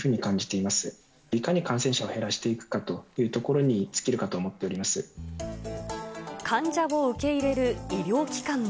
いかに感染者を減らしていくかというところに尽きるかと思ってお患者を受け入れる医療機関も。